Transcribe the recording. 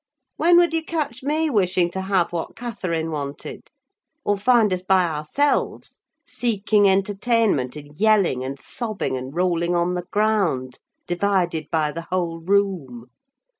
When would you catch me wishing to have what Catherine wanted? or find us by ourselves, seeking entertainment in yelling, and sobbing, and rolling on the ground, divided by the whole room?